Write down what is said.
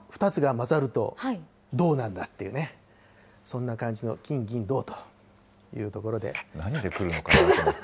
２つが混ざるとどうなんだっていうね、そんな感じの、金銀銅というところで。